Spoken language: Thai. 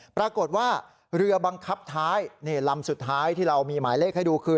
ปรากฏว่าเรือบังคับท้ายนี่ลำสุดท้ายที่เรามีหมายเลขให้ดูคือ